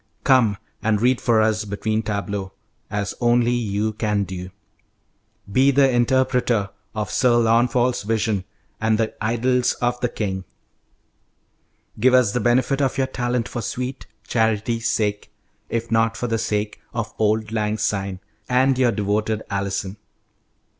Come and read for us between tableaux as only you can do. Be the interpreter of 'Sir Launfal's Vision' and the 'Idylls of the King,' Give us the benefit of your talent for sweet charity's sake, if not for the sake of 'auld lang syne' and your devoted ALLISON."